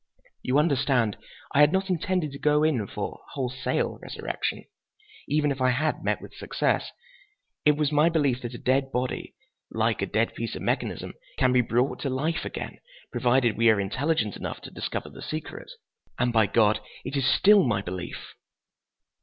You understand, I had not intended to go in for wholesale resurrection, even if I had met with success. It was my belief that a dead body, like a dead piece of mechanism, can be brought to life again, provided we are intelligent enough to discover the secret. And by God, it is still my belief!"